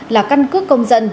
là căn cứ công dân